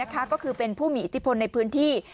ก็คือเป็นผู้มีอิทธิพลในพื้นที่